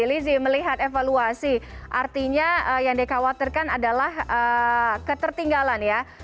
lizzie melihat evaluasi artinya yang dikhawatirkan adalah ketertinggalan ya